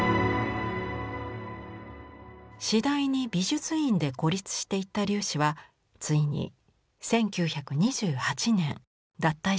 次第に美術院で孤立していった龍子はついに１９２８年脱退します。